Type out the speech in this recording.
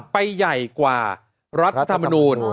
ไปใหญ่กว่ารัฐธรรมนูล